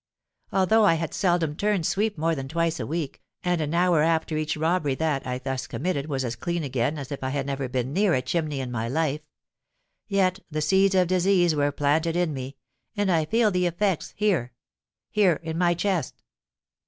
Although I had seldom turned sweep more than twice a week, and an hour after each robbery that I thus committed was as clean again as if I had never been near a chimney in my life,—yet the seeds of disease were planted in me, and I feel the effects here—here—in my chest!